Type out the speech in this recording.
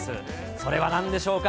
それはなんでしょうか。